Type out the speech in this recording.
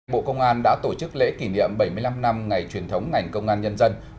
bộ công an đã tổ chức lễ kỷ niệm bảy mươi năm năm ngày truyền thống ngành công an nhân dân